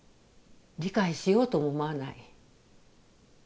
理解しようとも思わない。